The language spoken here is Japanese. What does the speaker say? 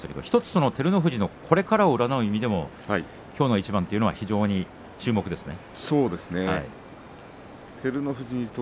その照ノ富士のこれからを占う意味でもきょうの一番というのは非常に注目ですね。